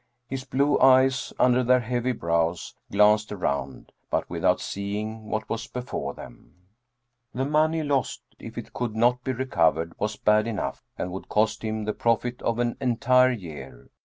His blue eyes, under their heavy brows, glanced around, but without seeing what was before them. 32 Dietrich Theden The money lost, if it could not be recovered, was bad enough, and would cost him the profit of an entire year.